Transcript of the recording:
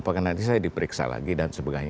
apakah nanti saya diperiksa lagi dan sebagainya